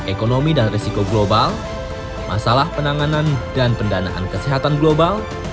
ekonomi dan risiko global masalah penanganan dan pendanaan kesehatan global